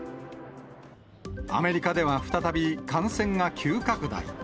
アメリカでは再び感染が急拡大。